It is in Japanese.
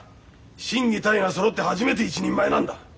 心技体がそろって初めて一人前なんだ。